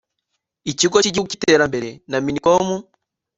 Ikigo cy’Igihugu cy’iterambere na Minicom